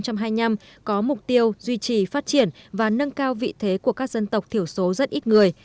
có mục tiêu duy trì phát triển và nâng cao vị thế của các dân tộc thiểu số rất ít người